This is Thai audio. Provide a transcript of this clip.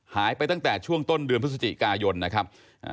หายไปตั้งแต่ช่วงต้นเดือนพฤศจิกายนนะครับ